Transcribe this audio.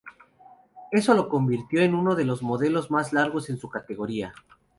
Eso lo convirtió en uno de los modelos más largos en su categoría.